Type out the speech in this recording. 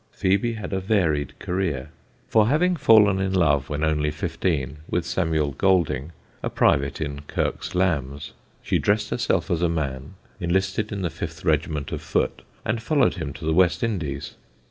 Phebe had a varied career, for having fallen in love when only fifteen with Samuel Golding, a private in Kirk's Lambs, she dressed herself as a man, enlisted in the 5th Regiment of Foot, and followed him to the West Indies.